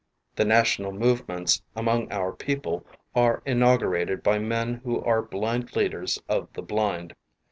The national movements* among our people are inaugurated by men who are blind leaders of the blind.